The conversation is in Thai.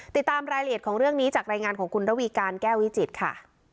ติดตามรายละเอียดของเรื่องนี้จากรายงานของคุณระวีการแก้ววิจิตรค่ะ